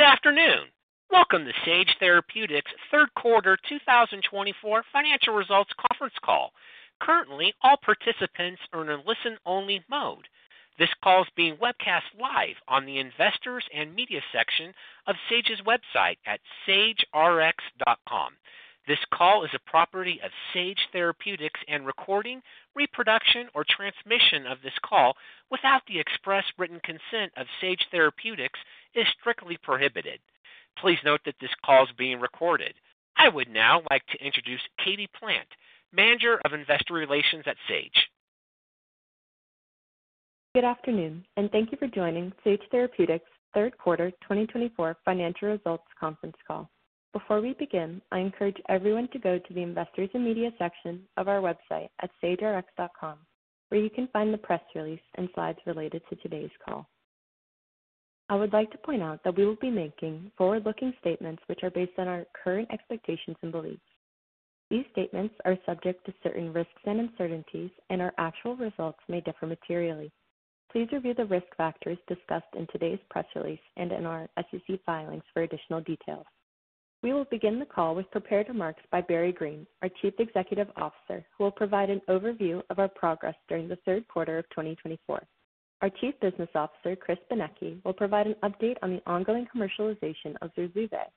Good afternoon. Welcome to Sage Therapeutics' third quarter 2024 financial results conference call. Currently, all participants are in a listen-only mode. This call is being webcast live on the investors' and media section of Sage's website at sagerx.com. This call is a property of Sage Therapeutics, and recording, reproduction, or transmission of this call without the express written consent of Sage Therapeutics is strictly prohibited. Please note that this call is being recorded. I would now like to introduce Katie Plant, Manager of Investor Relations at Sage. Good afternoon, and thank you for joining Sage Therapeutics' third quarter 2024 financial results conference call. Before we begin, I encourage everyone to go to the investors' and media section of our website at sagerx.com, where you can find the press release and slides related to today's call. I would like to point out that we will be making forward-looking statements which are based on our current expectations and beliefs. These statements are subject to certain risks and uncertainties, and our actual results may differ materially. Please review the risk factors discussed in today's press release and in our SEC filings for additional details. We will begin the call with prepared remarks by Barry Greene, our Chief Executive Officer, who will provide an overview of our progress during the third quarter of 2024. Our Chief Business Officer, Chris Benecchi, will provide an update on the ongoing commercialization of ZURZUVAE.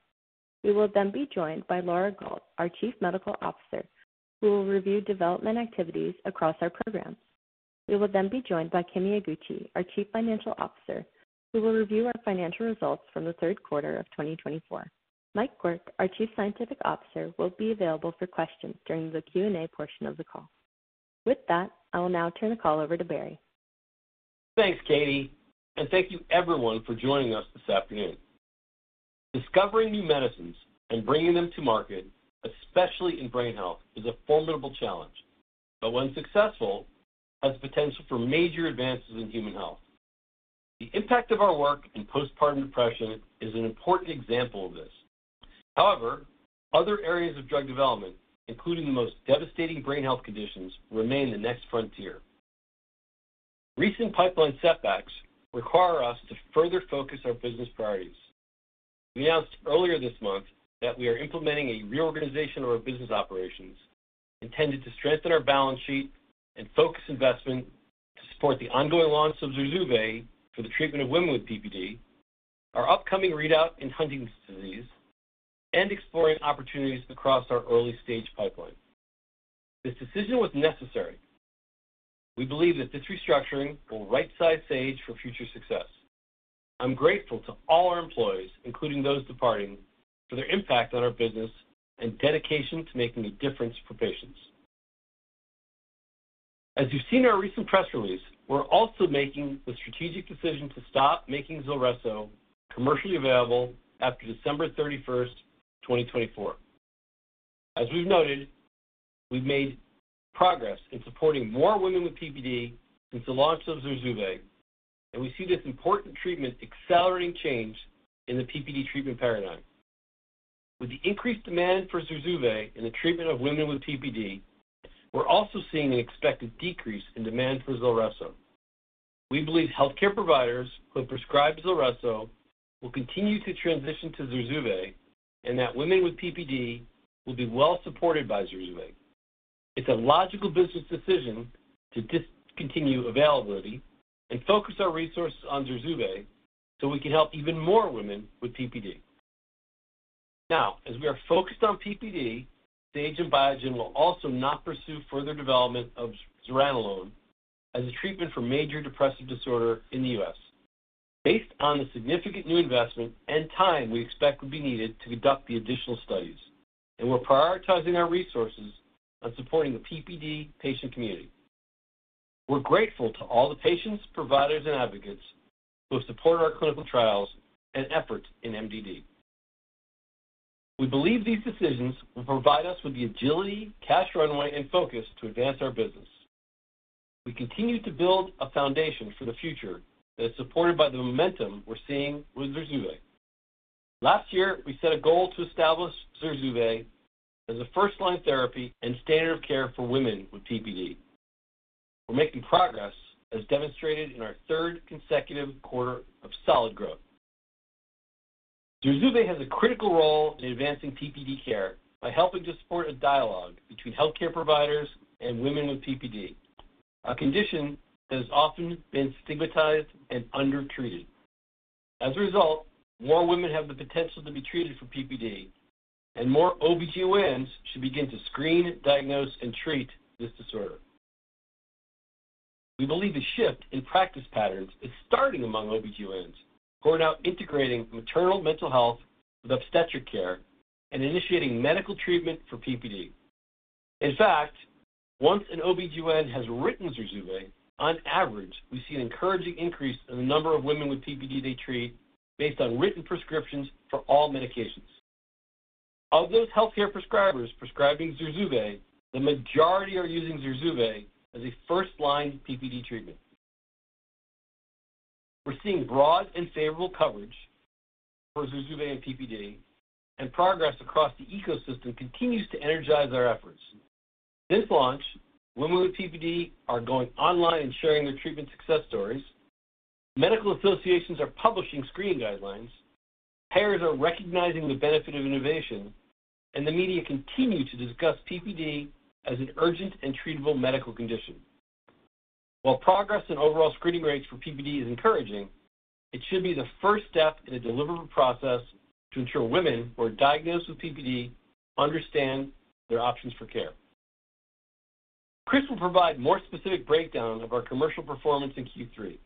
We will then be joined by Laura Gault, our Chief Medical Officer, who will review development activities across our programs. We will then be joined by Kimi Iguchi, our Chief Financial Officer, who will review our financial results from the third quarter of 2024. Mike Quirk, our Chief Scientific Officer, will be available for questions during the Q&A portion of the call. With that, I will now turn the call over to Barry. Thanks, Katie, and thank you, everyone, for joining us this afternoon. Discovering new medicines and bringing them to market, especially in brain health, is a formidable challenge, but when successful, has the potential for major advances in human health. The impact of our work in postpartum depression is an important example of this. However, other areas of drug development, including the most devastating brain health conditions, remain the next frontier. Recent pipeline setbacks require us to further focus our business priorities. We announced earlier this month that we are implementing a reorganization of our business operations intended to strengthen our balance sheet and focus investment to support the ongoing launch of ZURZUVAE for the treatment of women with PPD, our upcoming readout in Huntington's disease, and exploring opportunities across our early-stage pipeline. This decision was necessary. We believe that this restructuring will right-size Sage for future success. I'm grateful to all our employees, including those departing, for their impact on our business and dedication to making a difference for patients. As you've seen in our recent press release, we're also making the strategic decision to stop making Zulresso commercially available after December 31st, 2024. As we've noted, we've made progress in supporting more women with PPD since the launch of ZURZUVAE, and we see this important treatment accelerating change in the PPD treatment paradigm. With the increased demand for ZURZUVAE in the treatment of women with PPD, we're also seeing an expected decrease in demand for Zulresso. We believe healthcare providers who have prescribed Zulresso will continue to transition to ZURZUVAE and that women with PPD will be well supported by ZURZUVAE. It's a logical business decision to discontinue availability and focus our resources on ZURZUVAE so we can help even more women with PPD. Now, as we are focused on PPD, Sage and Biogen will also not pursue further development of zuranolone as a treatment for major depressive disorder in the U.S. Based on the significant new investment and time we expect will be needed to conduct the additional studies, we're prioritizing our resources on supporting the PPD patient community. We're grateful to all the patients, providers, and advocates who have supported our clinical trials and efforts in MDD. We believe these decisions will provide us with the agility, cash runway, and focus to advance our business. We continue to build a foundation for the future that is supported by the momentum we're seeing with ZURZUVAE. Last year, we set a goal to establish ZURZUVAE as a first-line therapy and standard of care for women with PPD. We're making progress, as demonstrated in our third consecutive quarter of solid growth. ZURZUVAE has a critical role in advancing PPD care by helping to support a dialogue between healthcare providers and women with PPD, a condition that has often been stigmatized and undertreated. As a result, more women have the potential to be treated for PPD, and more OB-GYNs should begin to screen, diagnose, and treat this disorder. We believe a shift in practice patterns is starting among OB-GYNs, who are now integrating maternal mental health with obstetric care and initiating medical treatment for PPD. In fact, once an OB-GYN has written ZURZUVAE, on average, we see an encouraging increase in the number of women with PPD they treat based on written prescriptions for all medications. Of those healthcare prescribers prescribing ZURZUVAE, the majority are using ZURZUVAE as a first-line PPD treatment. We're seeing broad and favorable coverage for ZURZUVAE and PPD, and progress across the ecosystem continues to energize our efforts. Since launch, women with PPD are going online and sharing their treatment success stories. Medical associations are publishing screening guidelines. Payers are recognizing the benefit of innovation, and the media continue to discuss PPD as an urgent and treatable medical condition. While progress in overall screening rates for PPD is encouraging, it should be the first step in a deliverable process to ensure women who are diagnosed with PPD understand their options for care. Chris will provide a more specific breakdown of our commercial performance in Q3.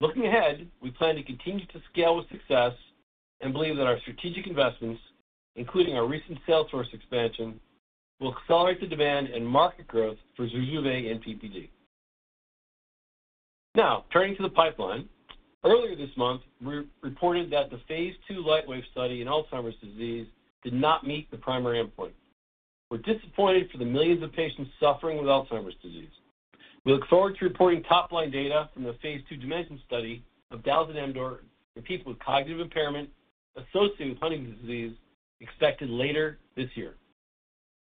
Looking ahead, we plan to continue to scale with success and believe that our strategic investments, including our recent sales force expansion, will accelerate the demand and market growth for ZURZUVAE and PPD. Now, turning to the pipeline, earlier this month, we reported that the phase 2 LIGHTWAVE study in Parkinson's disease did not meet the primary endpoint. We're disappointed for the millions of patients suffering with Alzheimer's disease. We look forward to reporting top-line data from the phase II DIMENSION study of dalzanemdor in people with cognitive impairment associated with Huntington's disease expected later this year.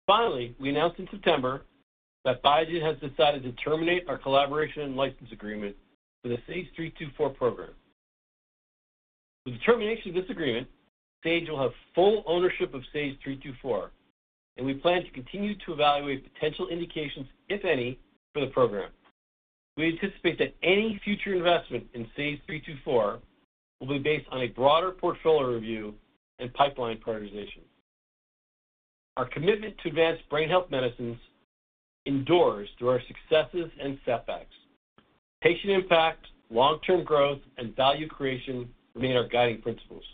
Finally, we announced in September that Biogen has decided to terminate our collaboration and license agreement with the SAGE-324 program. With the termination of this agreement, Sage will have full ownership of SAGE-324, and we plan to continue to evaluate potential indications, if any, for the program. We anticipate that any future investment in SAGE-324 will be based on a broader portfolio review and pipeline prioritization. Our commitment to advance brain health medicines endures through our successes and setbacks. Patient impact, long-term growth, and value creation remain our guiding principles.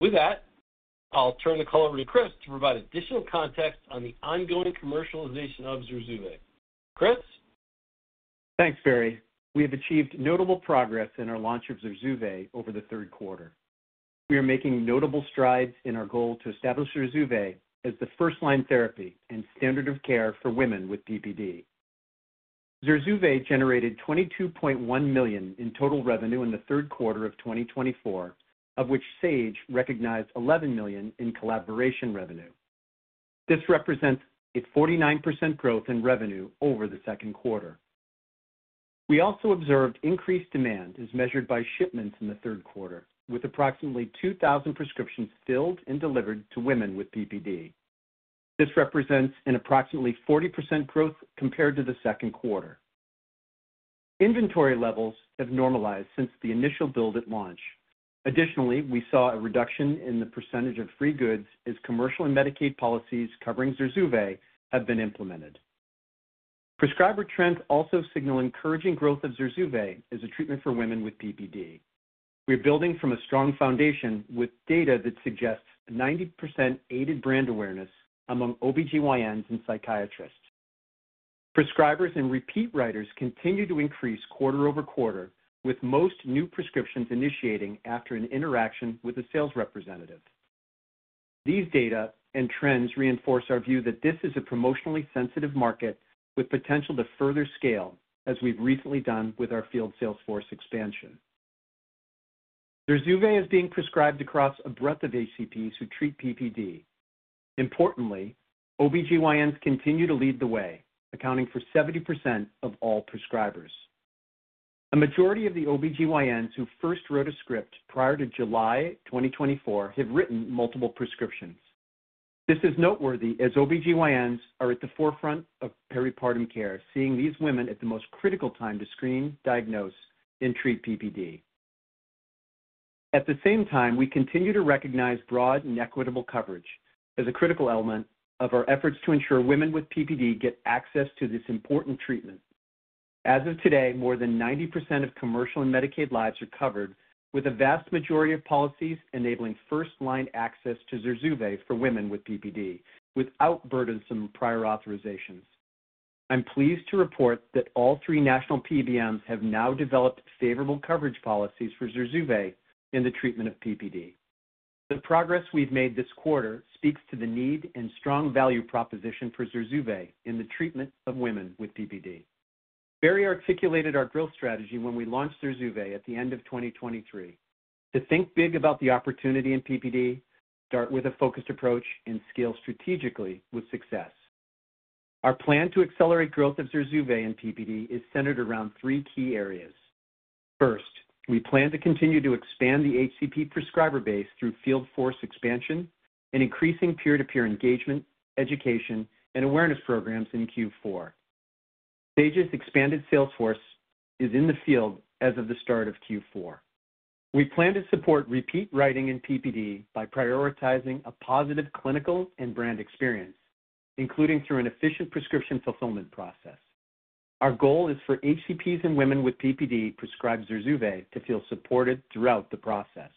With that, I'll turn the call over to Chris to provide additional context on the ongoing commercialization of ZURZUVAE. Chris? Thanks, Barry. We have achieved notable progress in our launch of ZURZUVAE over the third quarter. We are making notable strides in our goal to establish ZURZUVAE as the first-line therapy and standard of care for women with PPD. ZURZUVAE generated $22.1 million in total revenue in the third quarter of 2024, of which Sage recognized $11 million in collaboration revenue. This represents a 49% growth in revenue over the second quarter. We also observed increased demand as measured by shipments in the third quarter, with approximately 2,000 prescriptions filled and delivered to women with PPD. This represents an approximately 40% growth compared to the second quarter. Inventory levels have normalized since the initial build at launch. Additionally, we saw a reduction in the percentage of free goods as commercial and Medicaid policies covering ZURZUVAE have been implemented. Prescriber trends also signal encouraging growth of ZURZUVAE as a treatment for women with PPD. We are building from a strong foundation with data that suggests 90% aided brand awareness among OB-GYNs and psychiatrists. Prescribers and repeat writers continue to increase quarter over quarter, with most new prescriptions initiating after an interaction with a sales representative. These data and trends reinforce our view that this is a promotionally sensitive market with potential to further scale, as we've recently done with our field sales force expansion. ZURZUVAE is being prescribed across a breadth of HCPs who treat PPD. Importantly, OB-GYNs continue to lead the way, accounting for 70% of all prescribers. A majority of the OB-GYNs who first wrote a script prior to July 2024 have written multiple prescriptions. This is noteworthy as OB-GYNs are at the forefront of peripartum care, seeing these women at the most critical time to screen, diagnose, and treat PPD. At the same time, we continue to recognize broad and equitable coverage as a critical element of our efforts to ensure women with PPD get access to this important treatment. As of today, more than 90% of commercial and Medicaid lives are covered, with a vast majority of policies enabling first-line access to ZURZUVAE for women with PPD without burdensome prior authorizations. I'm pleased to report that all three national PBMs have now developed favorable coverage policies for ZURZUVAE in the treatment of PPD. The progress we've made this quarter speaks to the need and strong value proposition for ZURZUVAE in the treatment of women with PPD. Barry articulated our growth strategy when we launched ZURZUVAE at the end of 2023: to think big about the opportunity in PPD, start with a focused approach, and scale strategically with success. Our plan to accelerate growth of ZURZUVAE and PPD is centered around three key areas. First, we plan to continue to expand the HCP prescriber base through field force expansion and increasing peer-to-peer engagement, education, and awareness programs in Q4. Sage's expanded sales force is in the field as of the start of Q4. We plan to support repeat writing in PPD by prioritizing a positive clinical and brand experience, including through an efficient prescription fulfillment process. Our goal is for HCPs and women with PPD prescribed ZURZUVAE to feel supported throughout the process.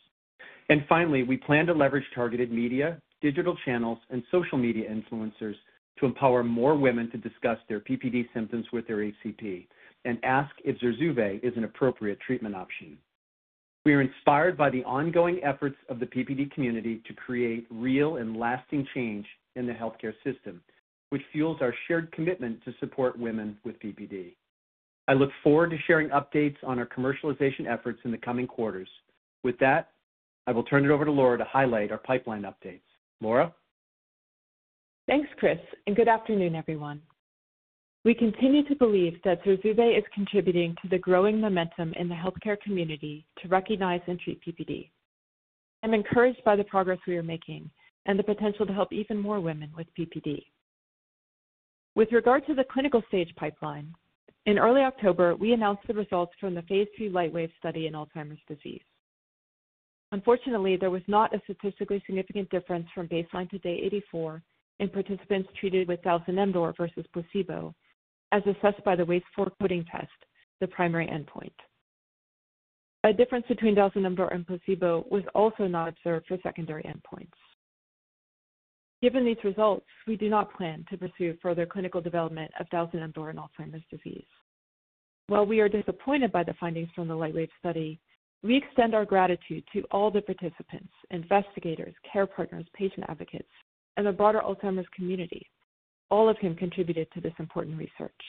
And finally, we plan to leverage targeted media, digital channels, and social media influencers to empower more women to discuss their PPD symptoms with their HCP and ask if ZURZUVAE is an appropriate treatment option. We are inspired by the ongoing efforts of the PPD community to create real and lasting change in the healthcare system, which fuels our shared commitment to support women with PPD. I look forward to sharing updates on our commercialization efforts in the coming quarters. With that, I will turn it over to Laura to highlight our pipeline updates. Laura? Thanks, Chris, and good afternoon, everyone. We continue to believe that ZURZUVAE is contributing to the growing momentum in the healthcare community to recognize and treat PPD. I'm encouraged by the progress we are making and the potential to help even more women with PPD. With regard to the clinical stage pipeline, in early October, we announced the results from the phase II LIGHTWAVE study in Alzheimer's disease. Unfortunately, there was not a statistically significant difference from baseline to day 84 in participants treated with dalzanemdor versus placebo, as assessed by the WAIS-IV Coding test, the primary endpoint. A difference between dalzanemdor and placebo was also not observed for secondary endpoints. Given these results, we do not plan to pursue further clinical development of dalzanemdor in Alzheimer's disease. While we are disappointed by the findings from the LIGHTWAVE study, we extend our gratitude to all the participants, investigators, care partners, patient advocates, and the broader Alzheimer's community, all of whom contributed to this important research.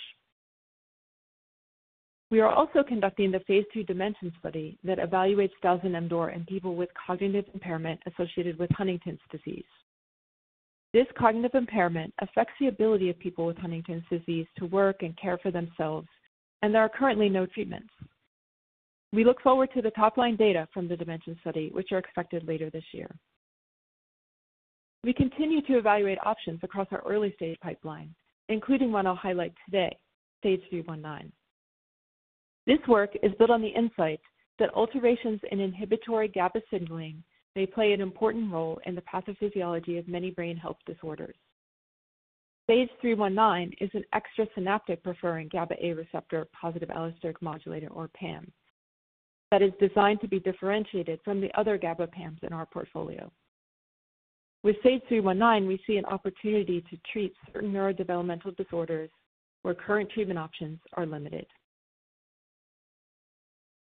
We are also conducting the phase 2 DIMENSION study that evaluates dalzanemdor in people with cognitive impairment associated with Huntington's disease. This cognitive impairment affects the ability of people with Huntington's disease to work and care for themselves, and there are currently no treatments. We look forward to the top-line data from the DIMENSION study, which are expected later this year. We continue to evaluate options across our early stage pipeline, including one I'll highlight today, SAGE-324. This work is built on the insight that alterations in inhibitory GABA signaling may play an important role in the pathophysiology of many brain health disorders. SAGE-319 is an extra-synaptic preferring GABA A receptor, positive allosteric modulator, or PAM, that is designed to be differentiated from the other GABA PAMs in our portfolio. With SAGE-319, we see an opportunity to treat certain neurodevelopmental disorders where current treatment options are limited.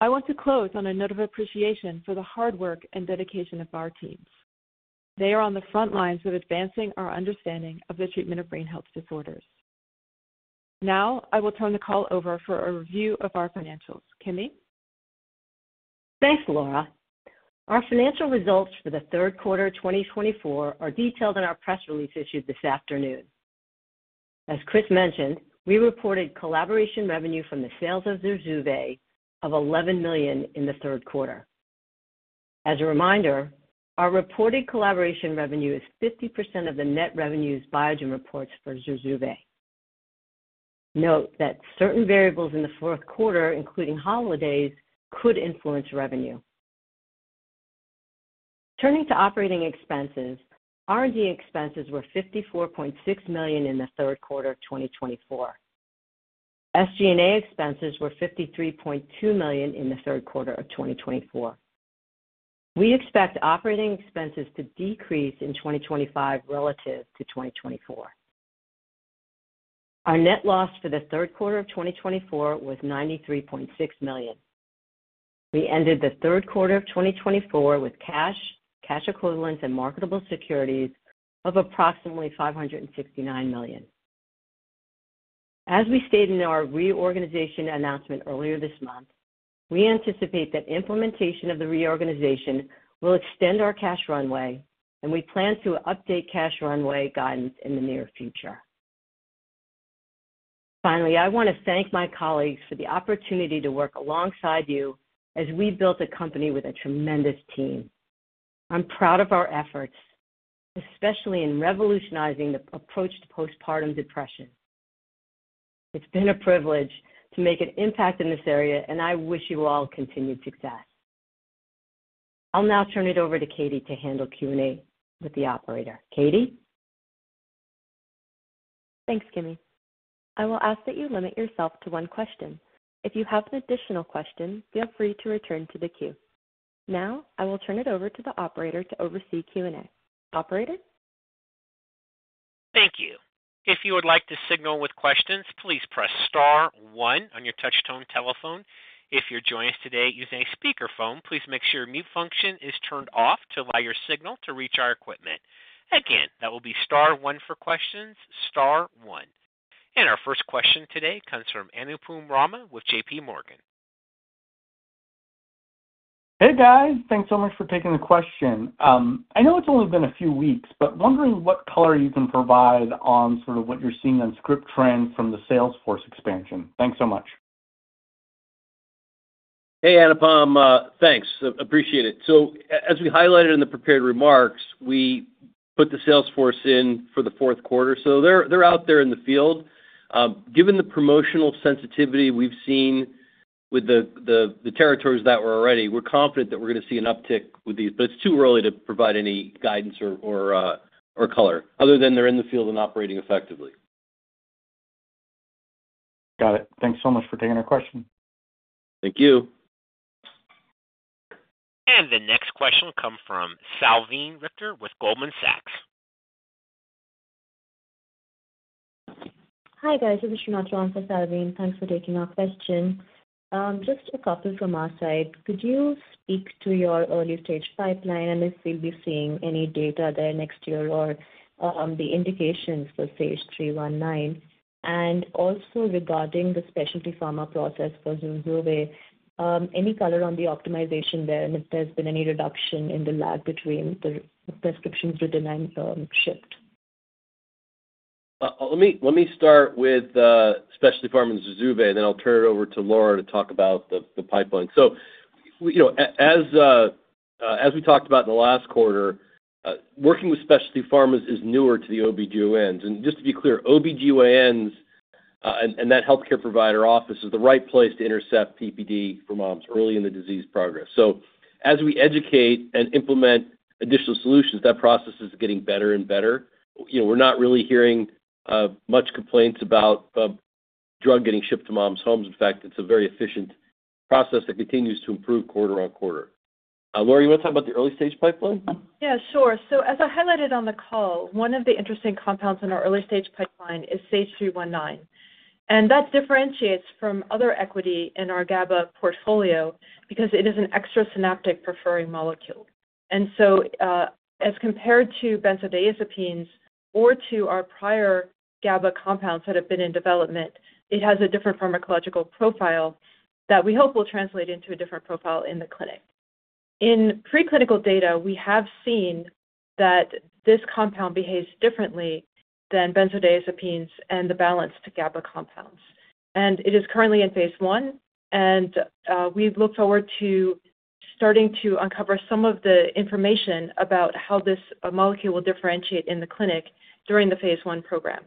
I want to close on a note of appreciation for the hard work and dedication of our teams. They are on the front lines of advancing our understanding of the treatment of brain health disorders. Now, I will turn the call over for a review of our financials. Kimi? Thanks, Laura. Our financial results for the third quarter of 2024 are detailed in our press release issued this afternoon. As Chris mentioned, we reported collaboration revenue from the sales of ZURZUVAE of $11 million in the third quarter. As a reminder, our reported collaboration revenue is 50% of the net revenues Biogen reports for ZURZUVAE. Note that certain variables in the fourth quarter, including holidays, could influence revenue. Turning to operating expenses, R&D expenses were $54.6 million in the third quarter of 2024. SG&A expenses were $53.2 million in the third quarter of 2024. We expect operating expenses to decrease in 2025 relative to 2024. Our net loss for the third quarter of 2024 was $93.6 million. We ended the third quarter of 2024 with cash, cash equivalents, and marketable securities of approximately $569 million. As we stated in our reorganization announcement earlier this month, we anticipate that implementation of the reorganization will extend our cash runway, and we plan to update cash runway guidance in the near future. Finally, I want to thank my colleagues for the opportunity to work alongside you as we built a company with a tremendous team. I'm proud of our efforts, especially in revolutionizing the approach to postpartum depression. It's been a privilege to make an impact in this area, and I wish you all continued success. I'll now turn it over to Katie to handle Q&A with the operator. Katie? Thanks, Kimi. I will ask that you limit yourself to one question. If you have an additional question, feel free to return to the queue. Now, I will turn it over to the operator to oversee Q&A. Operator? Thank you. If you would like to signal with questions, please press star one on your touch-tone telephone. If you're joining us today using a speakerphone, please make sure your mute function is turned off to allow your signal to reach our equipment. Again, that will be star one for questions, star one. And our first question today comes from An Rama with J.P. Morgan. Hey, guys. Thanks so much for taking the question. I know it's only been a few weeks, but wondering what color you can provide on sort of what you're seeing on ScriptTrend from the sales force expansion. Thanks so much. Hey, Anne Cook. Thanks. Appreciate it. So as we highlighted in the prepared remarks, we put the sales force in for the fourth quarter. So they're out there in the field. Given the promotional sensitivity we've seen with the territories that were already, we're confident that we're going to see an uptick with these, but it's too early to provide any guidance or color other than they're in the field and operating effectively. Got it. Thanks so much for taking our question. Thank you. The next question will come from Salveen Richter with Goldman Sachs. Hi, guys. This is Shrinath calling for Salveen. Thanks for taking our question. Just a couple from our side. Could you speak to your early stage pipeline and if we'll be seeing any data there next year or the indications for SAGE-324? And also regarding the specialty pharma process for ZURZUVAE, any color on the optimization there? And if there's been any reduction in the lag between the prescriptions with demand shift? Let me start with specialty pharma and ZURZUVAE, and then I'll turn it over to Laura to talk about the pipeline. So as we talked about in the last quarter, working with specialty pharmas is newer to the OB-GYNs. And just to be clear, OB-GYNs and that healthcare provider office is the right place to intercept PPD for moms early in the disease progress. So as we educate and implement additional solutions, that process is getting better and better. We're not really hearing much complaints about drug getting shipped to moms' homes. In fact, it's a very efficient process that continues to improve quarter on quarter. Laura, you want to talk about the early stage pipeline? Yeah, sure, so as I highlighted on the call, one of the interesting compounds in our early stage pipeline is SAGE-319, and that differentiates from other equity in our GABA portfolio because it is an extrasynaptic preferring molecule, and so as compared to benzodiazepines or to our prior GABA compounds that have been in development, it has a different pharmacological profile that we hope will translate into a different profile in the clinic. In preclinical data, we have seen that this compound behaves differently than benzodiazepines and the balanced GABA compounds, and it is currently in phase one, and we look forward to starting to uncover some of the information about how this molecule will differentiate in the clinic during the phase one program.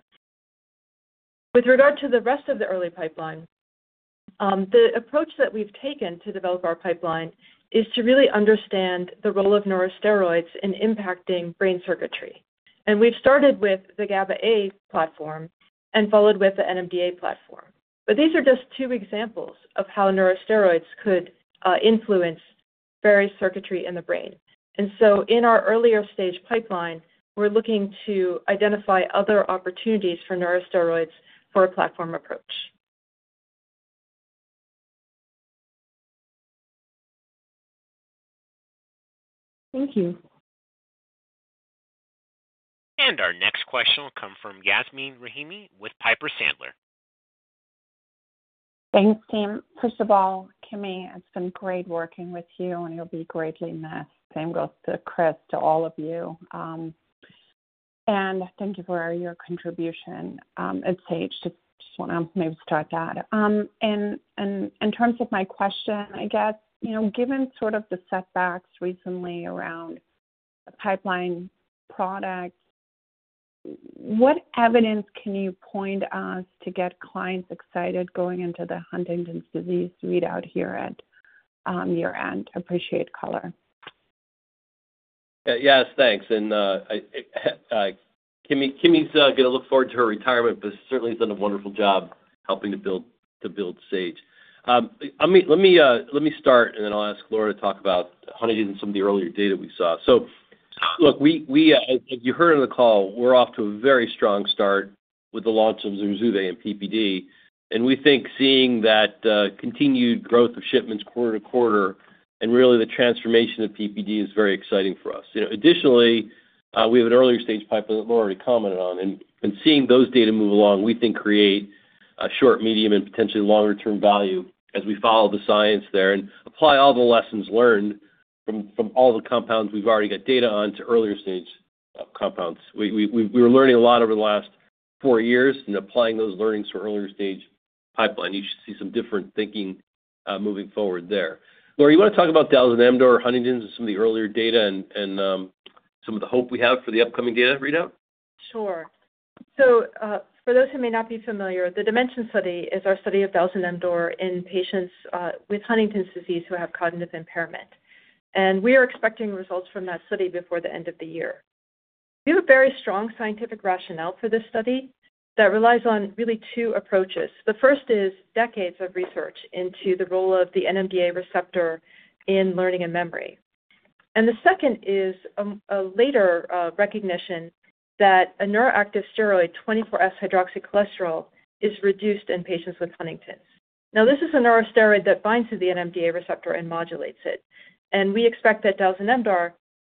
With regard to the rest of the early pipeline, the approach that we've taken to develop our pipeline is to really understand the role of neurosteroids in impacting brain circuitry, and we've started with the GABA A platform and followed with the NMDA platform, but these are just two examples of how neurosteroids could influence various circuitry in the brain, and so in our earlier stage pipeline, we're looking to identify other opportunities for neurosteroids for a platform approach. Thank you. Our next question will come from Yasmeen Rahimi with Piper Sandler. Thanks, team. First of all, Kimi, it's been great working with you, and you'll be greatly missed. Same goes to Chris, to all of you, and thank you for your contribution at Sage. Just want to maybe start that, and in terms of my question, I guess, given sort of the setbacks recently around the pipeline product, what evidence can you point us to get clients excited going into the Huntington's disease readout here at year-end? Appreciate color. Yes, thanks. And Kimi's going to look forward to her retirement, but certainly has done a wonderful job helping to build Sage. Let me start, and then I'll ask Laura to talk about Huntington's and some of the earlier data we saw. So look, as you heard on the call, we're off to a very strong start with the launch of ZURZUVAE and PPD. And we think seeing that continued growth of shipments quarter to quarter and really the transformation of PPD is very exciting for us. Additionally, we have an earlier stage pipeline that Laura already commented on. And seeing those data move along, we think create a short, medium, and potentially longer-term value as we follow the science there and apply all the lessons learned from all the compounds we've already got data on to earlier stage compounds. We were learning a lot over the last four years and applying those learnings to earlier stage pipeline. You should see some different thinking moving forward there. Laura, you want to talk about dalzanemdor, Huntington's, and some of the earlier data and some of the hope we have for the upcoming data readout? Sure. So for those who may not be familiar, the DIMENSION study is our study of dalzanemdor in patients with Huntington's disease who have cognitive impairment. And we are expecting results from that study before the end of the year. We have a very strong scientific rationale for this study that relies on really two approaches. The first is decades of research into the role of the NMDA receptor in learning and memory. And the second is a later recognition that a neuroactive steroid, 24S-hydroxycholesterol, is reduced in patients with Huntington's. Now, this is a neurosteroid that binds to the NMDA receptor and modulates it. And we expect that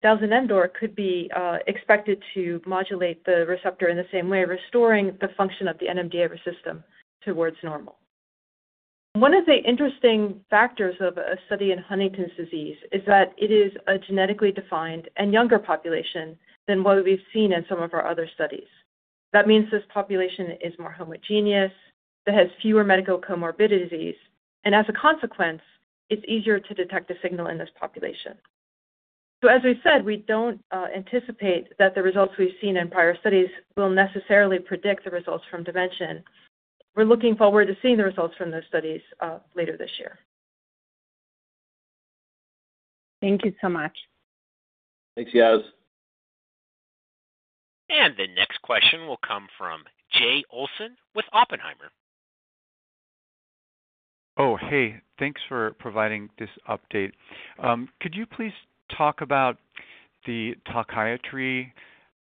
dalzanemdor could be expected to modulate the receptor in the same way, restoring the function of the NMDA system towards normal. One of the interesting factors of a study in Huntington's disease is that it is a genetically defined and younger population than what we've seen in some of our other studies. That means this population is more homogeneous, it has fewer medical comorbidities, and as a consequence, it's easier to detect a signal in this population. So as we said, we don't anticipate that the results we've seen in prior studies will necessarily predict the results from dementia. We're looking forward to seeing the results from those studies later this year. Thank you so much. Thanks, Yaz. The next question will come from Jay Olson with Oppenheimer. Oh, hey. Thanks for providing this update. Could you please talk about the Talkiatry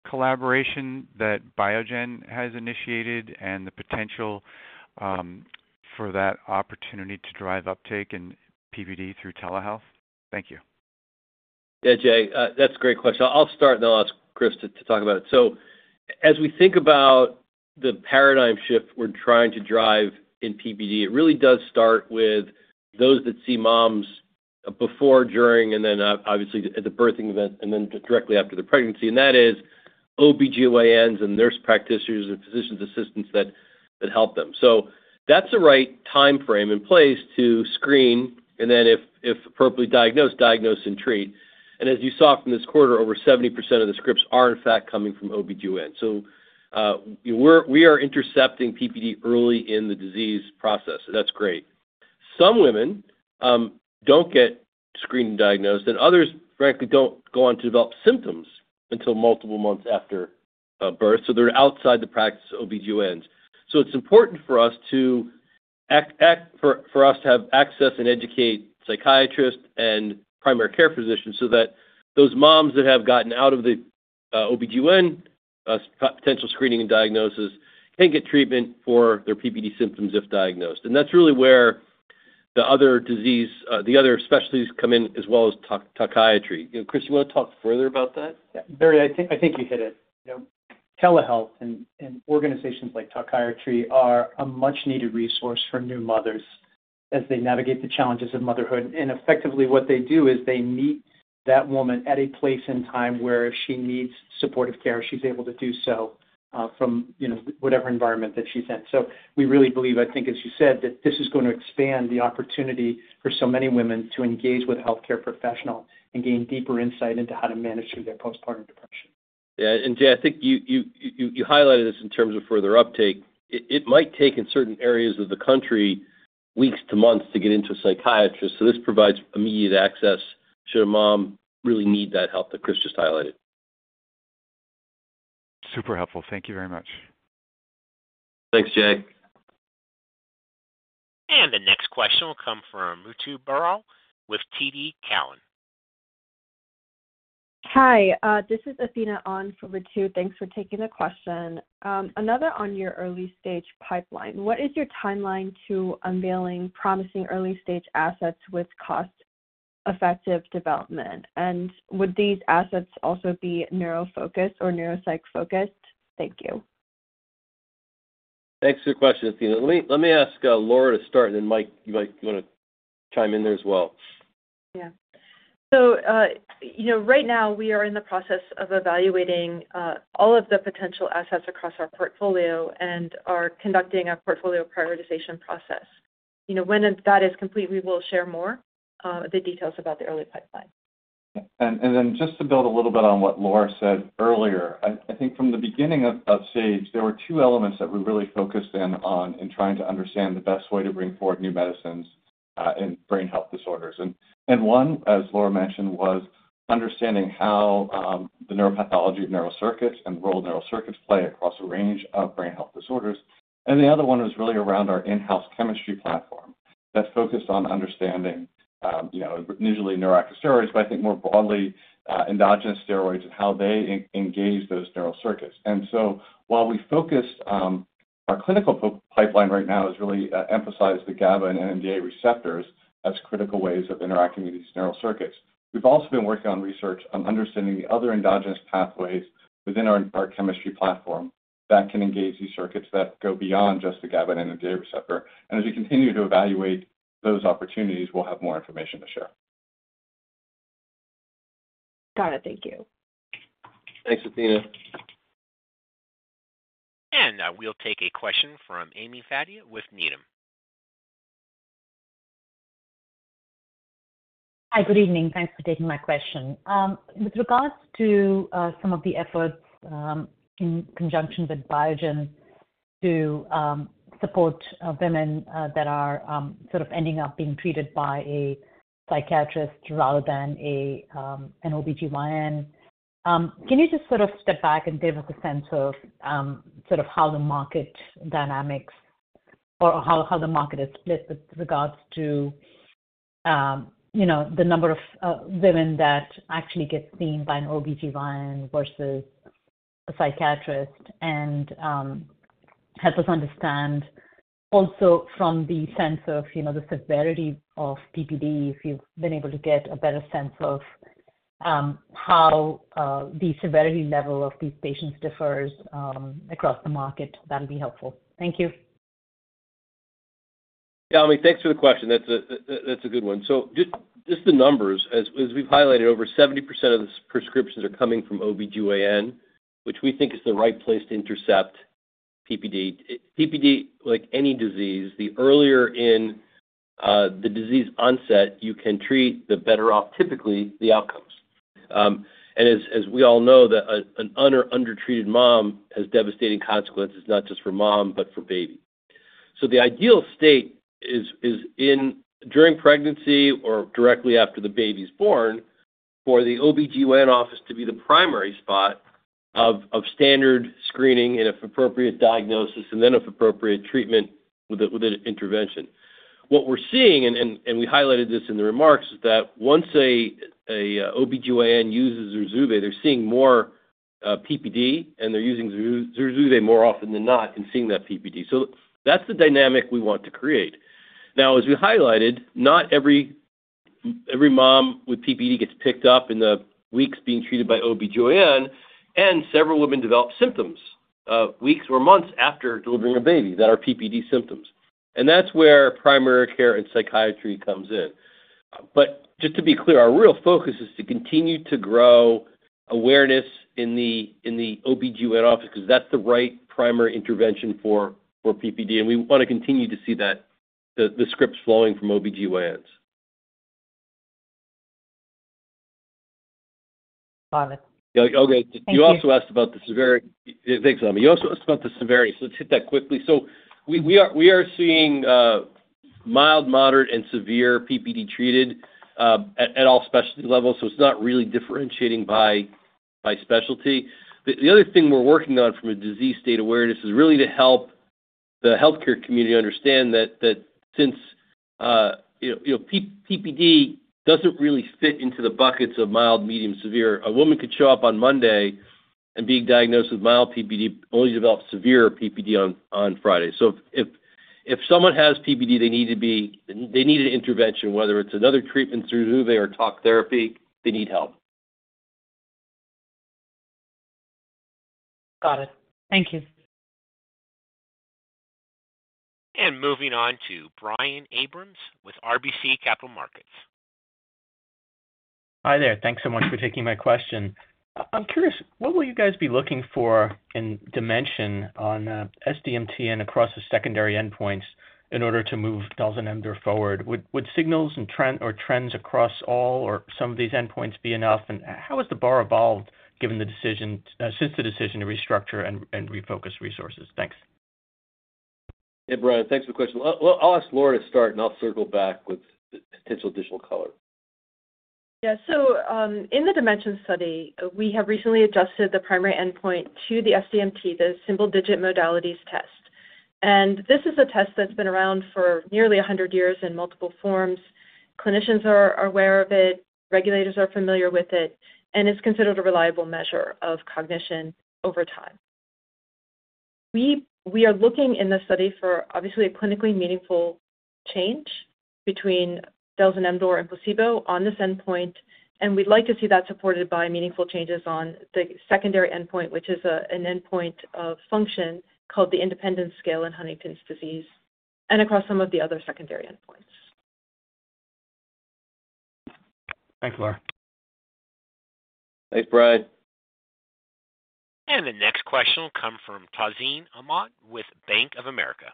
collaboration that Biogen has initiated and the potential for that opportunity to drive uptake in PPD through telehealth? Thank you. Yeah, Jay, that's a great question. I'll start, and then I'll ask Chris to talk about it, so as we think about the paradigm shift we're trying to drive in PPD, it really does start with those that see moms before, during, and then obviously at the birthing event, and then directly after the pregnancy, and that is OB-GYNs and nurse practitioners and physician's assistants that help them. So that's the right time frame in place to screen, and then if appropriately diagnosed, diagnose and treat, and as you saw from this quarter, over 70% of the scripts are in fact coming from OB-GYN. So we are intercepting PPD early in the disease process. That's great. Some women don't get screened and diagnosed, and others, frankly, don't go on to develop symptoms until multiple months after birth, so they're outside the practice of OB-GYNs. So it's important for us to act for us to have access and educate psychiatrists and primary care physicians so that those moms that have gotten out of the OB-GYN potential screening and diagnosis can get treatment for their PPD symptoms if diagnosed. And that's really where the other disease, the other specialties come in as well as psychiatry. Chris, you want to talk further about that? Yeah. Very, I think you hit it. Telehealth and organizations like Talkiatry are a much-needed resource for new mothers as they navigate the challenges of motherhood. And effectively, what they do is they meet that woman at a place in time where if she needs supportive care, she's able to do so from whatever environment that she's in. So we really believe, I think, as you said, that this is going to expand the opportunity for so many women to engage with a healthcare professional and gain deeper insight into how to manage through their postpartum depression. Yeah. And Jay, I think you highlighted this in terms of further uptake. It might take in certain areas of the country weeks to months to get into a psychiatrist. So this provides immediate access should a mom really need that help that Chris just highlighted. Super helpful. Thank you very much. Thanks, Jay. The next question will come from Ritu Baral with TD Cowen. Hi. This is Athena on from Ritu. Thanks for taking the question. Another on your early stage pipeline. What is your timeline to unveiling promising early-stage assets with cost-effective development? And would these assets also be neuro-focused or neuropsychic-focused? Thank you. Thanks for the question, Athena. Let me ask Laura to start, and then Mike, you want to chime in there as well? Yeah. So right now, we are in the process of evaluating all of the potential assets across our portfolio and are conducting a portfolio prioritization process. When that is complete, we will share more of the details about the early pipeline. And then just to build a little bit on what Laura said earlier, I think from the beginning of Sage, there were two elements that we really focused in on in trying to understand the best way to bring forward new medicines in brain health disorders. And one, as Laura mentioned, was understanding how the neuropathology of neural circuits and the role of neural circuits play across a range of brain health disorders. And the other one was really around our in-house chemistry platform that's focused on understanding initially neurosteroids, but I think more broadly endogenous steroids and how they engage those neural circuits. And so, while we focus our clinical pipeline right now is really emphasizing the GABA and NMDA receptors as critical ways of interacting with these neural circuits, we've also been working on research on understanding the other endogenous pathways within our chemistry platform that can engage these circuits that go beyond just the GABA and NMDA receptor. And as we continue to evaluate those opportunities, we'll have more information to share. Got it. Thank you. Thanks, Athena. We'll take a question from Ami Fadia with Needham. Hi, good evening. Thanks for taking my question. With regards to some of the efforts in conjunction with Biogen to support women that are sort of ending up being treated by a psychiatrist rather than an OB-GYN, can you just sort of step back and give us a sense of sort of how the market dynamics or how the market is split with regards to the number of women that actually get seen by an OB-GYN versus a psychiatrist and help us understand also from the sense of the severity of PPD, if you've been able to get a better sense of how the severity level of these patients differs across the market, that would be helpful. Thank you. Yeah, I mean, thanks for the question. That's a good one. So just the numbers, as we've highlighted, over 70% of the prescriptions are coming from OB-GYN, which we think is the right place to intercept PPD. PPD, like any disease, the earlier in the disease onset, you can treat, the better off typically the outcomes, and as we all know, an under-treated mom has devastating consequences, not just for mom, but for baby, so the ideal state is during pregnancy or directly after the baby's born for the OB-GYN office to be the primary spot of standard screening and if appropriate diagnosis and then if appropriate treatment with an intervention. What we're seeing, and we highlighted this in the remarks, is that once an OB-GYN uses ZURZUVAE, they're seeing more PPD, and they're using ZURZUVAE more often than not in seeing that PPD. So that's the dynamic we want to create. Now, as we highlighted, not every mom with PPD gets picked up in the weeks being treated by OB-GYN, and several women develop symptoms weeks or months after delivering a baby. Then our PPD symptoms. And that's where primary care and psychiatry comes in. But just to be clear, our real focus is to continue to grow awareness in the OB-GYN office because that's the right primary intervention for PPD. And we want to continue to see the scripts flowing from OB-GYNs. Got it. Okay. You also asked about the severity. Thanks, Amy. So let's hit that quickly. So we are seeing mild, moderate, and severe PPD treated at all specialty levels. So it's not really differentiating by specialty. The other thing we're working on from a disease state awareness is really to help the healthcare community understand that since PPD doesn't really fit into the buckets of mild, medium, severe, a woman could show up on Monday and be diagnosed with mild PPD, only develop severe PPD on Friday. So if someone has PPD, they need an intervention, whether it's another treatment through ZURZUVAE or therapy, they need help. Got it. Thank you. Moving on to Brian Abrahams with RBC Capital Markets. Hi there. Thanks so much for taking my question. I'm curious, what will you guys be looking for in dimensions on SDMT and across the secondary endpoints in order to move dalzanemdor forward? Would signals or trends across all or some of these endpoints be enough? And how has the bar evolved since the decision to restructure and refocus resources? Thanks. Hey, Brian. Thanks for the question. I'll ask Laura to start, and I'll circle back with potential additional color. Yeah, so in the DIMENSION study, we have recently adjusted the primary endpoint to the SDMT, the Symbol Digit Modalities Test, and this is a test that's been around for nearly 100 years in multiple forms. Clinicians are aware of it. Regulators are familiar with it, and it's considered a reliable measure of cognition over time. We are looking in the study for obviously a clinically meaningful change between SAGE-718 and placebo on this endpoint, and we'd like to see that supported by meaningful changes on the secondary endpoint, which is an endpoint of function called the Independence Scale in Huntington's disease and across some of the other secondary endpoints. Thanks, Laura. Thanks, Brian. The next question will come from Tazeen Ahmad with Bank of America.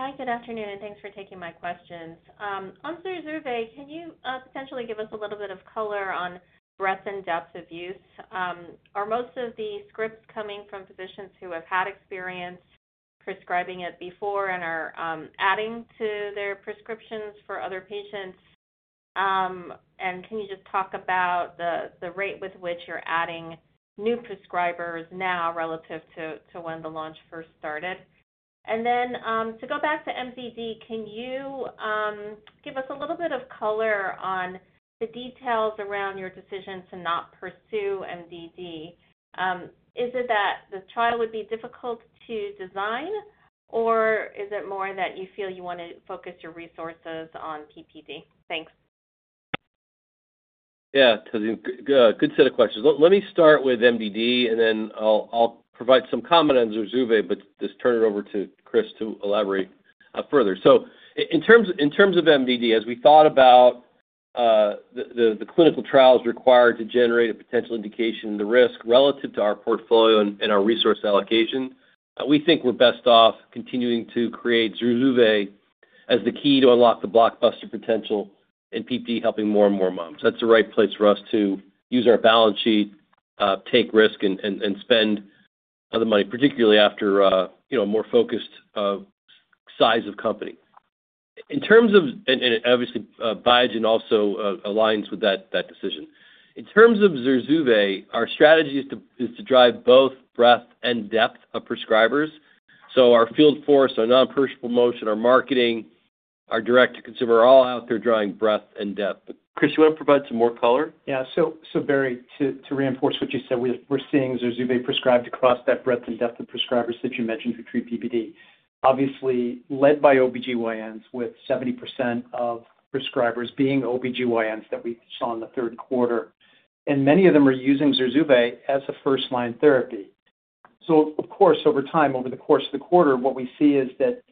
Hi, good afternoon, and thanks for taking my questions. On ZURZUVAE, can you potentially give us a little bit of color on breadth and depth of use? Are most of the scripts coming from physicians who have had experience prescribing it before and are adding to their prescriptions for other patients? And can you just talk about the rate with which you're adding new prescribers now relative to when the launch first started? And then to go back to MDD, can you give us a little bit of color on the details around your decision to not pursue MDD? Is it that the trial would be difficult to design, or is it more that you feel you want to focus your resources on PPD? Thanks. Yeah. A good set of questions. Let me start with MDD, and then I'll provide some comment on ZURZUVAE, but just turn it over to Chris to elaborate further. So in terms of MDD, as we thought about the clinical trials required to generate a potential indication of the risk relative to our portfolio and our resource allocation, we think we're best off continuing to commercialize ZURZUVAE as the key to unlock the blockbuster potential in PPD, helping more and more moms. That's the right place for us to use our balance sheet, take risk, and spend the money, particularly after a more focused size of company. And obviously, Biogen also aligns with that decision. In terms of ZURZUVAE, our strategy is to drive both breadth and depth of prescribers. So our field force, our non-personal promotion, our marketing, our direct-to-consumer are all out there drawing breadth and depth. Chris, you want to provide some more color? Yeah, so Barry, to reinforce what you said, we're seeing ZURZUVAE prescribed across that breadth and depth of prescribers that you mentioned who treat PPD, obviously led by OB-GYNs with 70% of prescribers being OB-GYNs that we saw in the third quarter, and many of them are using ZURZUVAE as a first-line therapy, so of course, over time, over the course of the quarter, what we see is that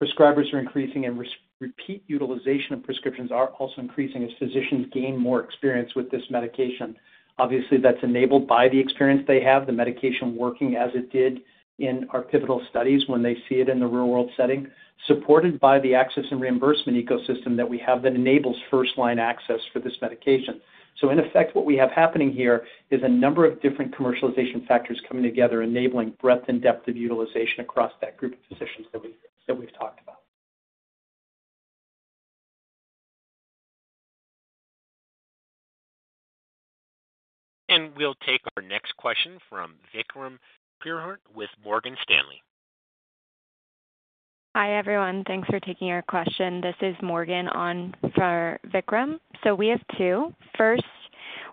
prescribers are increasing and repeat utilization of prescriptions are also increasing as physicians gain more experience with this medication. Obviously, that's enabled by the experience they have, the medication working as it did in our pivotal studies when they see it in the real-world setting, supported by the access and reimbursement ecosystem that we have that enables first-line access for this medication. In effect, what we have happening here is a number of different commercialization factors coming together, enabling breadth and depth of utilization across that group of physicians that we've talked about. We'll take our next question from Vikram Purohit with Morgan Stanley. Hi everyone. Thanks for taking our question. This is Morgan for Vikram. So we have two. First,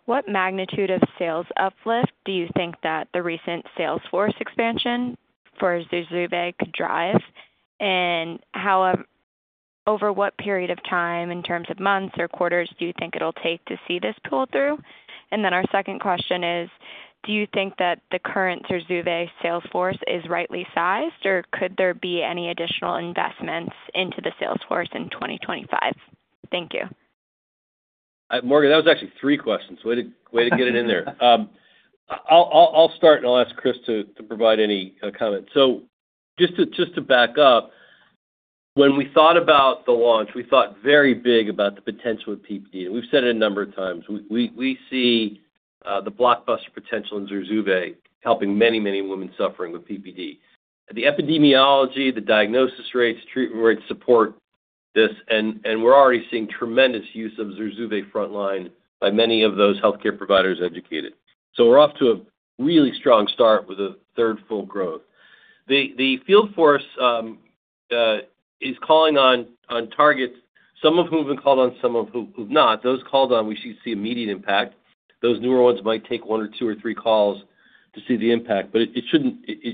what magnitude of sales uplift do you think that the recent sales force expansion for ZURZUVAE could drive? And over what period of time, in terms of months or quarters, do you think it'll take to see this pull through? And then our second question is, do you think that the current ZURZUVAE sales force is rightly sized, or could there be any additional investments into the sales force in 2025? Thank you. Morgan, that was actually three questions. Way to get it in there. I'll start, and I'll ask Chris to provide any comments. So just to back up, when we thought about the launch, we thought very big about the potential of PPD. And we've said it a number of times. We see the blockbuster potential in ZURZUVAE helping many, many women suffering with PPD. The epidemiology, the diagnosis rates, treatment rates support this. And we're already seeing tremendous use of ZURZUVAE frontline by many of those healthcare providers educated. So we're off to a really strong start with 30% growth. The Field Force is calling on targets, some of whom have been called on, some of whom have not. Those called on, we should see immediate impact. Those newer ones might take one or two or three calls to see the impact. But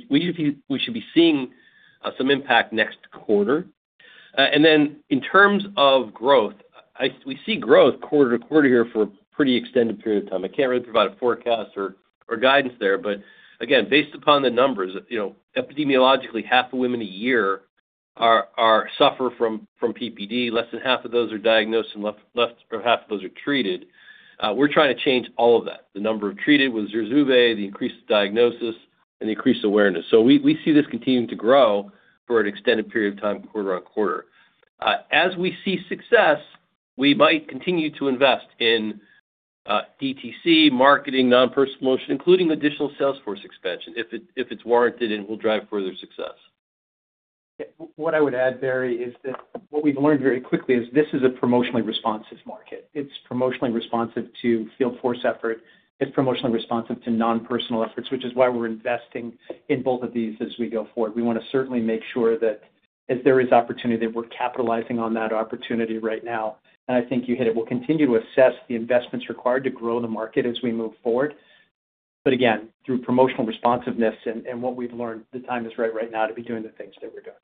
we should be seeing some impact next quarter. And then in terms of growth, we see growth quarter to quarter here for a pretty extended period of time. I can't really provide a forecast or guidance there. But again, based upon the numbers, epidemiologically, half of women a year suffer from PPD. Less than half of those are diagnosed, and half of those are treated. We're trying to change all of that. The number of treated was ZURZUVAE, the increased diagnosis, and the increased awareness. So we see this continuing to grow for an extended period of time, quarter on quarter. As we see success, we might continue to invest in DTC, marketing, non-personal promotion, including additional sales force expansion if it's warranted and will drive further success. What I would add, Barry, is that what we've learned very quickly is this is a promotionally responsive market. It's promotionally responsive to field force effort. It's promotionally responsive to non-personal efforts, which is why we're investing in both of these as we go forward. We want to certainly make sure that as there is opportunity, that we're capitalizing on that opportunity right now, and I think you hit it. We'll continue to assess the investments required to grow the market as we move forward, but again, through promotional responsiveness and what we've learned, the time is right right now to be doing the things that we're doing.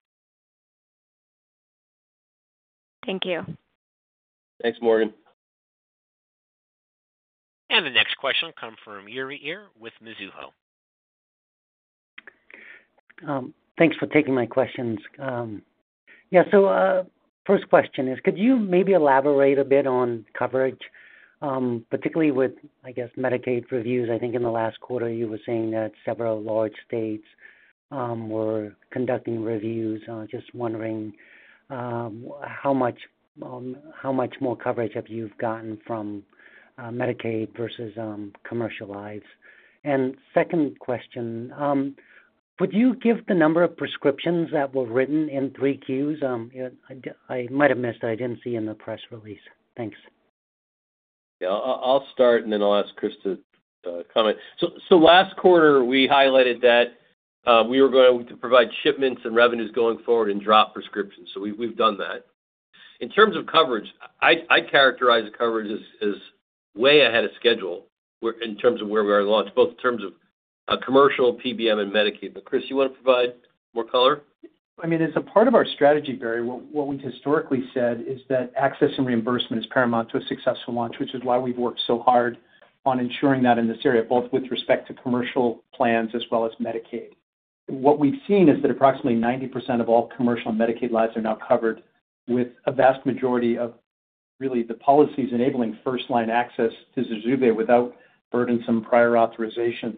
Thank you. Thanks, Morgan. The next question will come from Uy Ear with Mizuho. Thanks for taking my questions. Yeah. So first question is, could you maybe elaborate a bit on coverage, particularly with, I guess, Medicaid reviews? I think in the last quarter, you were saying that several large states were conducting reviews. Just wondering how much more coverage have you gotten from Medicaid versus commercial? And second question, would you give the number of prescriptions that were written in Q3? I might have missed it. I didn't see it in the press release. Thanks. Yeah. I'll start, and then I'll ask Chris to comment. So last quarter, we highlighted that we were going to provide shipments and revenues going forward and drop prescriptions. So we've done that. In terms of coverage, I characterize the coverage as way ahead of schedule in terms of where we are launched, both in terms of commercial, PBM, and Medicaid. But Chris, do you want to provide more color? I mean, as a part of our strategy, Barry, what we've historically said is that access and reimbursement is paramount to a successful launch, which is why we've worked so hard on ensuring that in this area, both with respect to commercial plans as well as Medicaid. What we've seen is that approximately 90% of all commercial and Medicaid lives are now covered with a vast majority of really the policies enabling first-line access to ZURZUVAE without burdensome prior authorizations.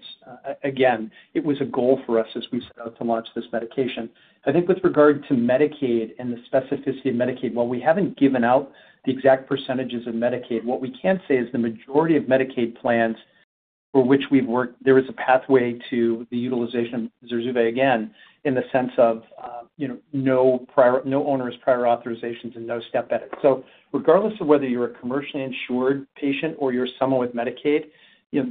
Again, it was a goal for us as we set out to launch this medication. I think with regard to Medicaid and the specificity of Medicaid, while we haven't given out the exact percentages of Medicaid, what we can say is the majority of Medicaid plans for which we've worked, there is a pathway to the utilization of ZURZUVAE again in the sense of no onerous prior authorizations and no step edit, so regardless of whether you're a commercially insured patient or you're someone with Medicaid,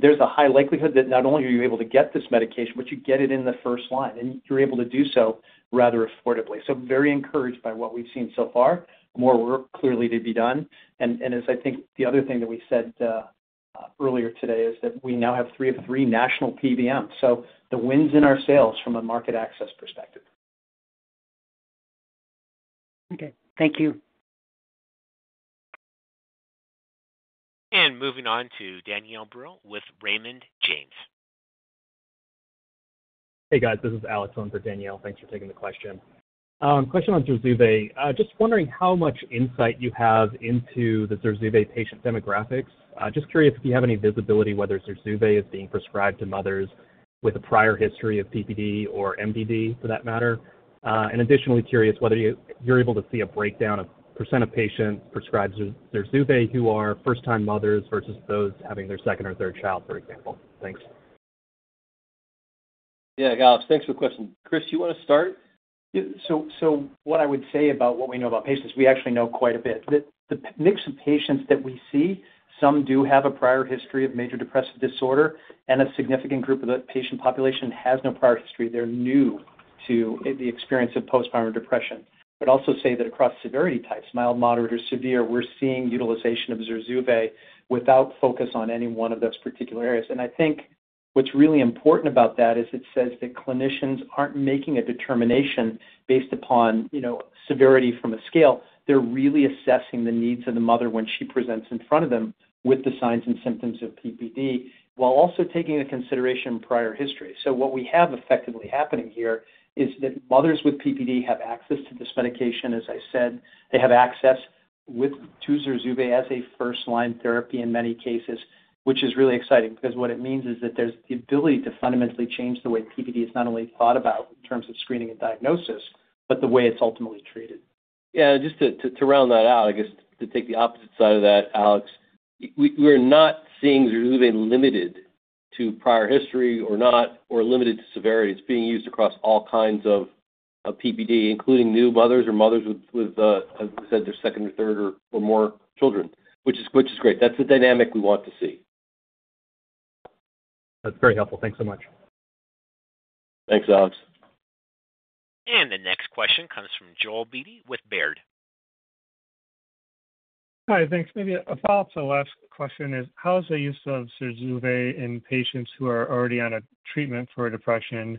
there's a high likelihood that not only are you able to get this medication, but you get it in the first line, and you're able to do so rather affordably, so very encouraged by what we've seen so far. More work clearly to be done, and as I think the other thing that we said earlier today is that we now have three of three national PBMs, so the wins in our sales from a market access perspective. Okay. Thank you. Moving on to Danielle Brill with Raymond James. Hey, guys. This is Alex on for Danielle. Thanks for taking the question. Question on ZURZUVAE. Just wondering how much insight you have into the ZURZUVAE patient demographics. Just curious if you have any visibility whether ZURZUVAE is being prescribed to mothers with a prior history of PPD or MDD, for that matter. And additionally, curious whether you're able to see a breakdown of % of patients prescribed ZURZUVAE who are first-time mothers versus those having their second or third child, for example. Thanks. Yeah. Alex, thanks for the question. Chris, do you want to start? So what I would say about what we know about patients, we actually know quite a bit. The mix of patients that we see, some do have a prior history of major depressive disorder, and a significant group of the patient population has no prior history. They're new to the experience of postpartum depression. But I'd also say that across severity types, mild, moderate, or severe, we're seeing utilization of ZURZUVAE without focus on any one of those particular areas. And I think what's really important about that is it says that clinicians aren't making a determination based upon severity from a scale. They're really assessing the needs of the mother when she presents in front of them with the signs and symptoms of PPD while also taking into consideration prior history. So what we have effectively happening here is that mothers with PPD have access to this medication, as I said. They have access to ZURZUVAE as a first-line therapy in many cases, which is really exciting because what it means is that there's the ability to fundamentally change the way PPD is not only thought about in terms of screening and diagnosis, but the way it's ultimately treated. Yeah. Just to round that out, I guess to take the opposite side of that, Alex, we're not seeing ZURZUVAE limited to prior history or not, or limited to severity. It's being used across all kinds of PPD, including new mothers or mothers with, as I said, their second or third or more children, which is great. That's the dynamic we want to see. That's very helpful. Thanks so much. Thanks, Alex. The next question comes from Joel Beatty with Baird. Hi. Thanks. Maybe a follow-up to the last question is, how is the use of ZURZUVAE in patients who are already on a treatment for depression?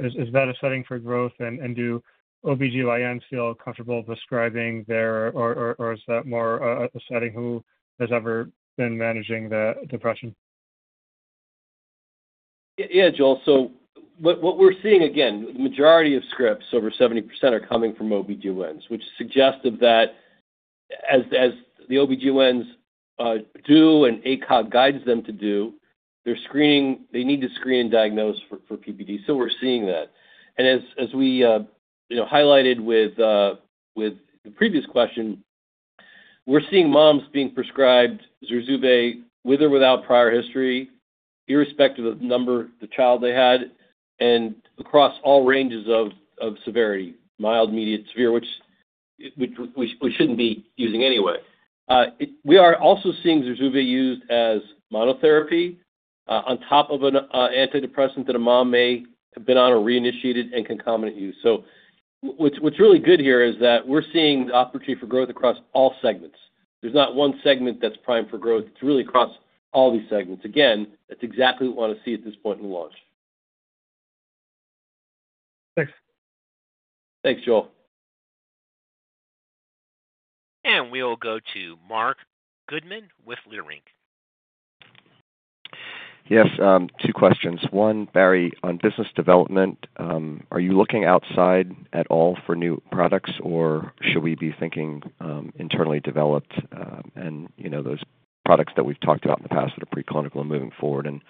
Is that a setting for growth, and do OB-GYNs feel comfortable prescribing there, or is that more a setting who has ever been managing the depression? Yeah, Joel. So what we're seeing, again, the majority of scripts, over 70%, are coming from OB-GYNs, which is suggestive that as the OB-GYNs do and ACOG guides them to do, they need to screen and diagnose for PPD. So we're seeing that. And as we highlighted with the previous question, we're seeing moms being prescribed ZURZUVAE with or without prior history, irrespective of the number, the child they had, and across all ranges of severity: mild, medium, severe, which we shouldn't be using anyway. We are also seeing ZURZUVAE used as monotherapy on top of an antidepressant that a mom may have been on or reinitiated and concomitant use. So what's really good here is that we're seeing the opportunity for growth across all segments. There's not one segment that's primed for growth. It's really across all these segments. Again, that's exactly what we want to see at this point in the launch. Thanks. Thanks, Joel. We'll go to Marc Goodman with Leerink. Yes. Two questions. One, Barry, on business development. Are you looking outside at all for new products, or should we be thinking internally developed and those products that we've talked about in the past that are preclinical and moving forward? And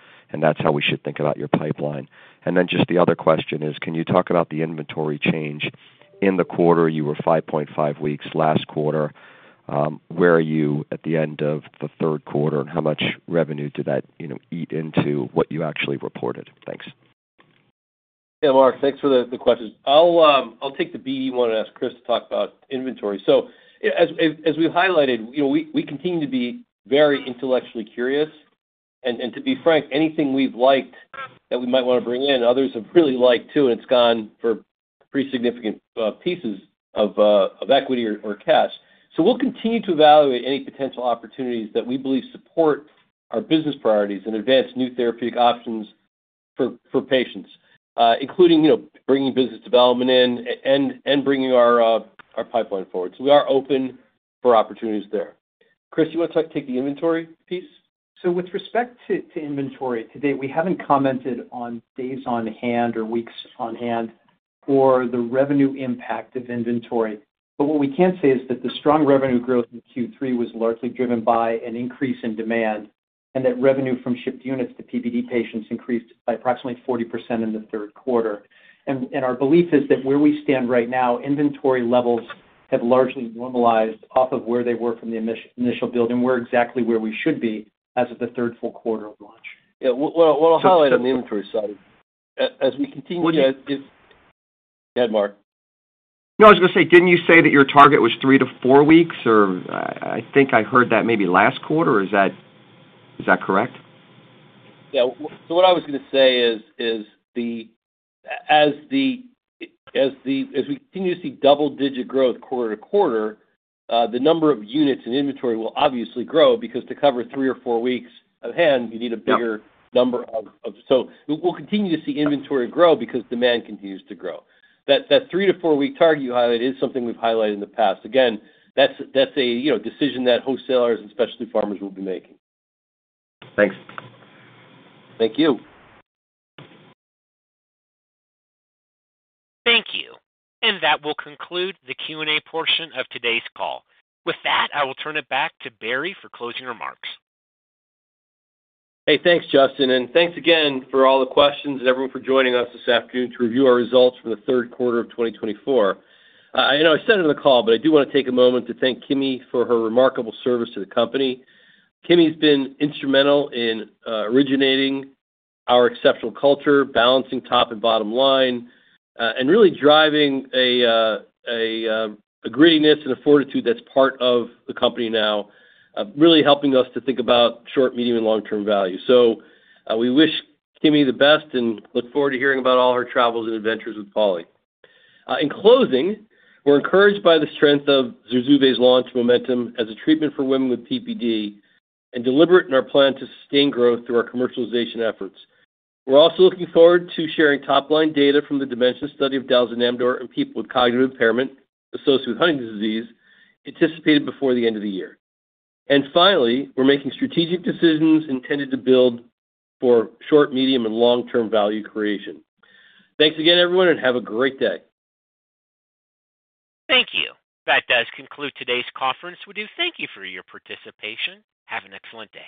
that's how we should think about your pipeline. And then just the other question is, can you talk about the inventory change? In the quarter, you were 5.5 weeks. Last quarter, where are you at the end of the third quarter, and how much revenue did that eat into what you actually reported? Thanks. Yeah, Mark, thanks for the questions. I'll take the BD. You want to ask Chris to talk about inventory, so as we've highlighted, we continue to be very intellectually curious, and to be frank, anything we've liked that we might want to bring in, others have really liked too, and it's gone for pretty significant pieces of equity or cash, so we'll continue to evaluate any potential opportunities that we believe support our business priorities and advance new therapeutic options for patients, including bringing business development in and bringing our pipeline forward, so we are open for opportunities there. Chris, do you want to take the inventory piece? So with respect to inventory today, we haven't commented on days on hand or weeks on hand or the revenue impact of inventory. But what we can say is that the strong revenue growth in Q3 was largely driven by an increase in demand and that revenue from shipped units to PPD patients increased by approximately 40% in the third quarter. And our belief is that where we stand right now, inventory levels have largely normalized off of where they were from the initial build, and we're exactly where we should be as of the third full quarter of launch. Yeah. What I'll highlight on the inventory side is as we continue to. What do you? Go ahead, Mark. No, I was going to say, didn't you say that your target was three to four weeks? Or I think I heard that maybe last quarter. Is that correct? Yeah. So what I was going to say is as we continue to see double-digit growth quarter to quarter, the number of units in inventory will obviously grow because to cover three or four weeks of demand, you need a bigger number of. Yeah. We'll continue to see inventory grow because demand continues to grow. That three-to-four-week target you highlighted is something we've highlighted in the past. Again, that's a decision that wholesalers and specialty pharmacies will be making. Thanks. Thank you. Thank you. And that will conclude the Q&A portion of today's call. With that, I will turn it back to Barry for closing remarks. Hey, thanks, Justin, and thanks again for all the questions and everyone for joining us this afternoon to review our results for the third quarter of 2024. I know I said it in the call, but I do want to take a moment to thank Kimi for her remarkable service to the company. Kimi has been instrumental in originating our exceptional culture, balancing top and bottom line, and really driving an aggressiveness and a fortitude that's part of the company now, really helping us to think about short, medium, and long-term value, so we wish Kimi the best and look forward to hearing about all her travels and adventures with Pauli. In closing, we're encouraged by the strength of ZURZUVAE's launch momentum as a treatment for women with PPD and deliberate in our plan to sustain growth through our commercialization efforts. We're also looking forward to sharing top-line data from the dalzanemdor studies in people with cognitive impairment associated with Huntington's disease, anticipated before the end of the year, and finally, we're making strategic decisions intended to build for short, medium, and long-term value creation. Thanks again, everyone, and have a great day. Thank you. That does conclude today's conference. We do thank you for your participation. Have an excellent day.